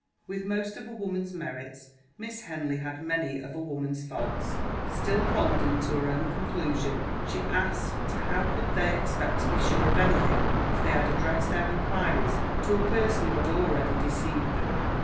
With most of a woman's merits, Miss Henley had many of a woman's faults. Still holding to her own conclusion, she asked how they could expect to be sure of anything if they addressed their inquiries to a person who had already deceived them.